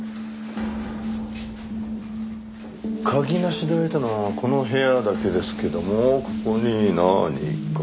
鍵なしで開いたのこの部屋だけですけどもここに何か。